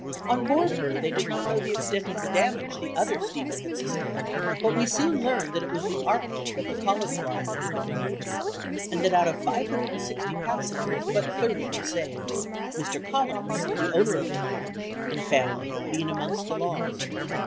On board her they did not know the extent of the damage the other steamer had sustained, but we soon learned that it was the Arctic of the Collins line that had been run into, and that out of 560 passengers but thirty were saved, Mr. Collins (the owner of the line) and family being amongst the lost.